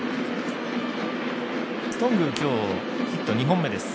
頓宮、今日、ヒット２本目です。